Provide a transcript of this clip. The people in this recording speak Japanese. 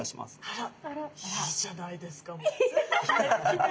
あらいいじゃないですか。